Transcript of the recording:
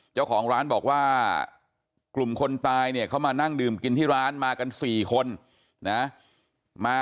เจ้าของร้านบอกว่ากลุ่มคนตายเนี่ยเขามานั่งดื่มกินที่ร้านมากัน๔คนนะ